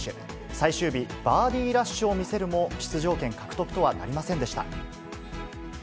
最終日、バーディーラッシュを見せるも、出場権獲得とはなりませんでした。